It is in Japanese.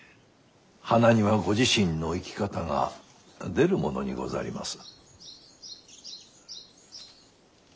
花にはご自身の生き方が出るものにござります。